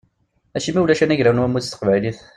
Acimi ulac anagraw n wammud s teqbaylit?